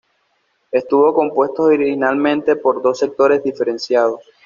Estuvo compuesto originalmente por dos sectores diferenciados.